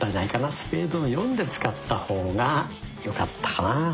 「スペードの４」で使った方がよかったかな。